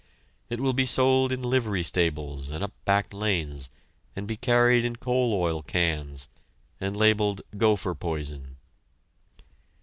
It will be sold in livery stables and up back lanes, and be carried in coal oil cans, and labeled "gopher poison."